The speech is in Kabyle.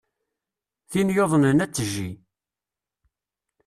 Tin yuḍnen ad tejji.